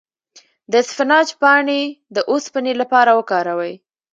د اسفناج پاڼې د اوسپنې لپاره وکاروئ